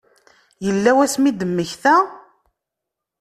Yella wasmi i d-temmekta?